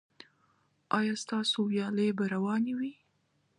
ایا ستاسو ویالې به روانې وي؟